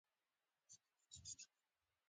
د هغو ژویو په لیست کې شامل کړي